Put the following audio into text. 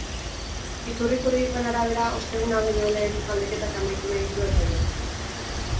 Iturri juridikoen arabera, osteguna baino lehen galdeketak amaitu nahi ditu epaileak.